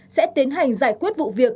sẽ tiến hành giải quyết vụ việc